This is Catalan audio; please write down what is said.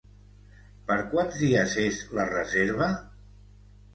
Per quants dies és la reserva?